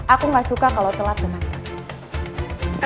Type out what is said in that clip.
aku gak suka kalau telat teman teman